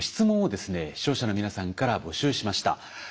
視聴者の皆さんから募集しました。